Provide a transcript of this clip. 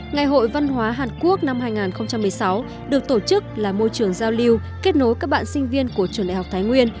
ngày hội văn hóa hàn quốc năm hai nghìn một mươi sáu được tổ chức là môi trường giao lưu kết nối các bạn sinh viên của trường đại học thái nguyên